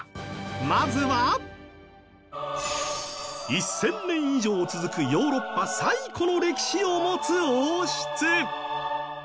まずは、１０００年以上続くヨーロッパ最古の歴史を持つ王室。